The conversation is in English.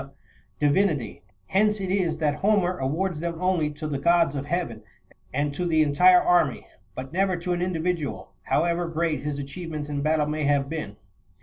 343 divinity, hence it is that Homer26 awards them only to the gods of heaven and to the entire army ; but never to an indi vidual, however great his achievements in battle may have been.